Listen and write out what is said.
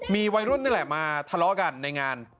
มีวัยรุ่นนี่แหละมาทะเลาะกันในงาน